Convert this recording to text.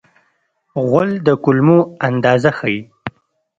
غول د کولمو اندازه ښيي.